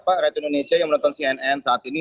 pak rakyat indonesia yang menonton cnn saat ini